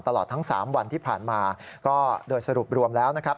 ตลอดทั้ง๓วันที่ผ่านมาก็โดยสรุปรวมแล้วนะครับ